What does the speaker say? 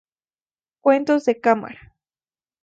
Cuentos de cámara.